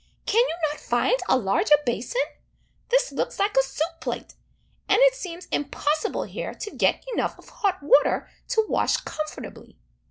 Can you not find a larger basin? This looks like a soup plate, and it seems impossible here to get enough of hot water to wash comfortably."